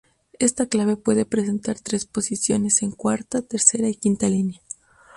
Esta clave puede presentar tres posiciones: en cuarta, tercera y quinta línea.